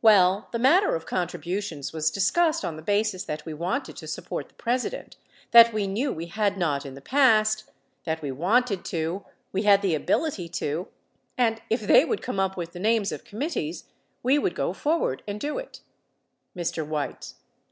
Well, the matter of contributions was dis cussed on the basis that we wanted to support the President, that we knew we had not in the past, that we wanted to, we had the ability to ; and if they would come up with the names of committees, we would go forward and do it. Mr. Weitz.